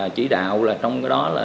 chỉ đạo trong đó là